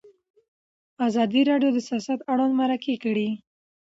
ازادي راډیو د سیاست اړوند مرکې کړي.